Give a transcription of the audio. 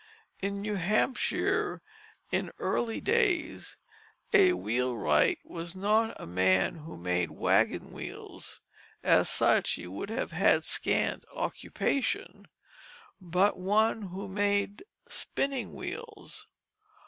In New Hampshire in early days, a wheelwright was not a man who made wagon wheels (as such he would have had scant occupation), but one who made spinning wheels.